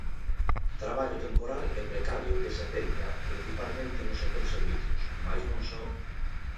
Traballo temporal e precario que se centra, principalmente, no sector servizos, mais non só.